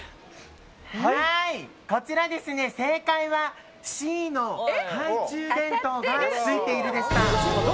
こちら、正解はＣの懐中電灯がついているでした。